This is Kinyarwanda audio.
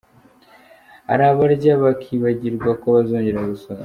Hari abarya bakibagirwa ko bazongera gusonza.